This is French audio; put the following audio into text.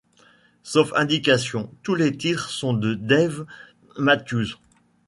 Sauf indications, tous les titres sont de Dave Matthews.